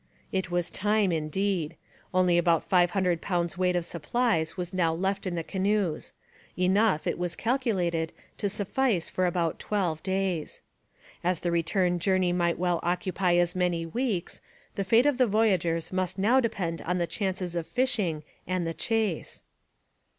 It was time indeed. Only about five hundred pounds weight of supplies was now left in the canoes enough, it was calculated, to suffice for about twelve days. As the return journey might well occupy as many weeks, the fate of the voyageurs must now depend on the chances of fishing and the chase.